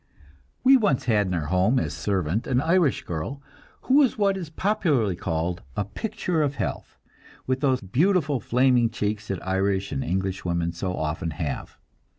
We once had in our home as servant an Irish girl, who was what is popularly called "a picture of health," with those beautiful flaming cheeks that Irish and English women so often have.